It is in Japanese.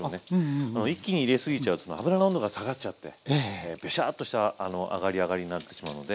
一気に入れ過ぎちゃうと油の温度が下がっちゃってベシャーっとした揚がり上がりになってしまうので。